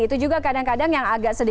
itu juga kadang kadang yang agak sedikit